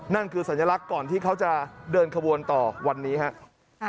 นั่นคือสัญลักษณ์ก่อนที่เขาจะเดินขบวนต่อวันนี้ครับ